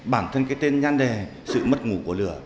bản thân cái tên nhan đề sự mất ngủ của lửa